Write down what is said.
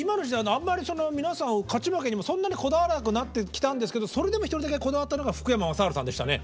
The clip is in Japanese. あんまりその皆さん勝ち負けにもそんなにこだわらなくなってきたんですけどそれでも一人だけこだわったのが福山雅治さんでしたね。